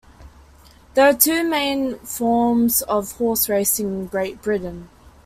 There are two main forms of horse racing in Great Britain.